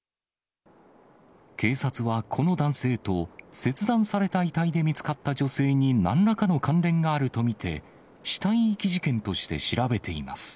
警察はこの男性と切断された遺体で見つかった女性になんらかの関連があると見て、死体遺棄事件として調べています。